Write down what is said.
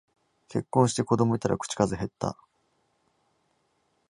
結婚して子供いたら口数へった